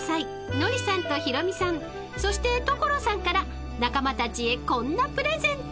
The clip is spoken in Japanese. ノリさんとヒロミさんそして所さんから仲間たちへこんなプレゼント］